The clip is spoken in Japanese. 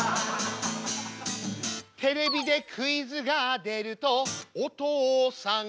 「テレビでクイズが出るとお父さんが」